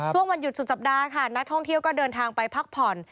วันหยุดสุดสัปดาห์ค่ะนักท่องเที่ยวก็เดินทางไปพักผ่อน